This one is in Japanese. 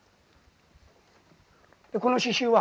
この刺しゅうは？